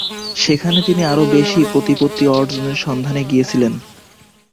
সেখানে তিনি আরও বেশি প্রতিপত্তি অর্জনের সন্ধানে গিয়েছিলেন।